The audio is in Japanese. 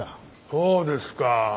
そうですか。